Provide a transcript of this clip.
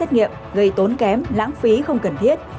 nghiệm gây tốn kém lãng phí không cần thiết